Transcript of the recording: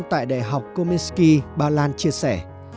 tại đại học komiski bà lan chia sẻ